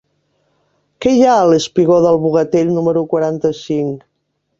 Què hi ha al espigó del Bogatell número quaranta-cinc?